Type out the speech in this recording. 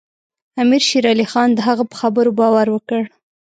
امیر شېر علي خان د هغه په خبرو باور وکړ.